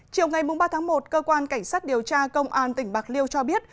chiều ngày ba tháng một cơ quan cảnh sát điều tra công an tỉnh bạc liêu cho biết